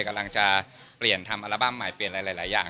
กำลังจะเปลี่ยนทำอัลบั้มใหม่เปลี่ยนหลายอย่าง